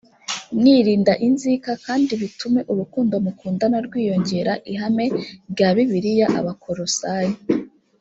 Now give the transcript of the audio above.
mwirinda inzika kandi bitume urukundo mukundana rwiyongera ihame rya bibiliya abakolosayi